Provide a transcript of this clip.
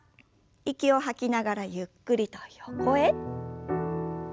息を吐きながらゆっくりと横へ。